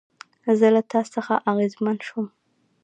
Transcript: زه له تا څخه اغېزمن شوم